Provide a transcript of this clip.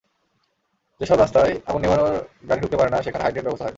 যেসব রাস্তায় আগুন নেভানোর গাড়ি ঢুকতে পারে না, সেখানে হাইড্রেন্ট ব্যবস্থা থাকবে।